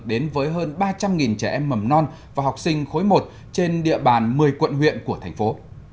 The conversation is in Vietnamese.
đến với hơn ba trăm linh trẻ em mầm non và học sinh khối một trên địa bàn một mươi quận huyện của thành phố